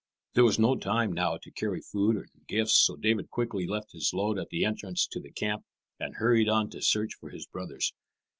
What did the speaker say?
There was no time now to carry food and gifts, so David quickly left his load at the entrance to the camp and hurried on to search for his brothers.